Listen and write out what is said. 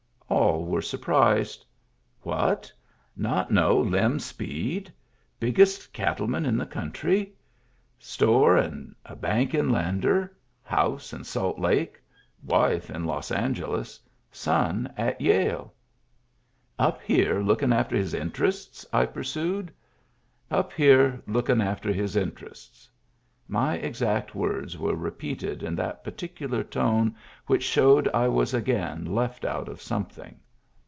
All were surprised. What? Not know Lem Speed? Biggest cattleman in the country. Store and a bank in Lander. House in Salt Lake. Wife in Los Angeles. Son at Yale. Digitized by Google THE GIFT HORSE 165 " Up here looking after his interests ?" I pur sued. "Up here looking after his interests." My exact words were repeated in that particular tone which showed I was again left out of something.